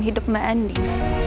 hidup mbak andin